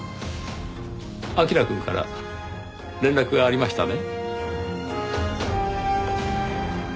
彬くんから連絡がありましたね？